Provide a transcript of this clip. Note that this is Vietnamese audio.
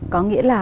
có nghĩa là